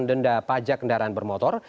denda pajak kendaraan bermotor